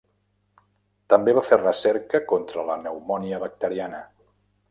També va fer recerca contra la pneumònia bacteriana.